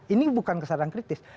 ini bukan kesadaran kritis